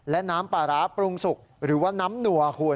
และน้ำปลาร้าปรุงสุกหรือว่าน้ำนัวคุณ